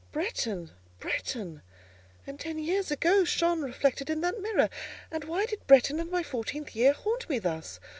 Bretton! Bretton! and ten years ago shone reflected in that mirror. And why did Bretton and my fourteenth year haunt me thus?